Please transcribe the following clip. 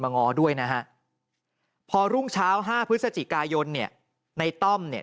ง้อด้วยนะฮะพอรุ่งเช้า๕พฤศจิกายนเนี่ยในต้อมเนี่ย